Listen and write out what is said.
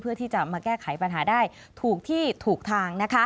เพื่อที่จะมาแก้ไขปัญหาได้ถูกที่ถูกทาง